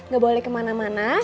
gak boleh kemana mana